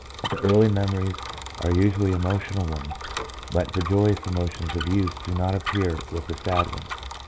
The early memories are usually emotional ones, but the joyous emotions of youth do not appear with the sad ones.